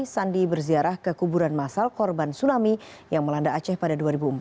sandi berziarah ke kuburan masal korban tsunami yang melanda aceh pada dua ribu empat